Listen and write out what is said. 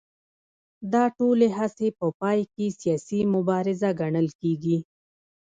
دا ټولې هڅې په پای کې سیاسي مبارزه ګڼل کېږي